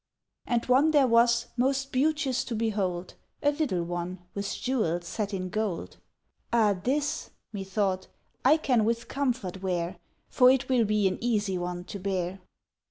And one there was, most beauteous to behold, A little one, with jewels set in gold. "Ah! this," methought, "I can with comfort wear, For it will be an easy one to bear."